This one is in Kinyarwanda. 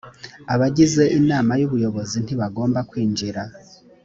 abagize inama y ubuyobozi ntibagomba kwinjira